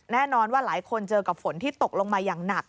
แน่นอนว่าหลายคนเจอกับฝนที่ตกลงมาอย่างหนัก